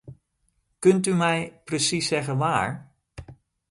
Kunt u mij precies zeggen waar?